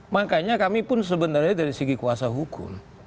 makanya kami pun sebenarnya dari segi kuasa hukum